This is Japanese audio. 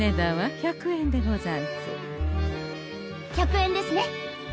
１００円ですね。